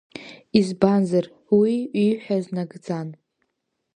Избанзар, уи ииҳәаз нагӡан.